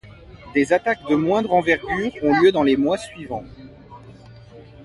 Des attaques de moindre envergure ont lieu dans les mois suivants.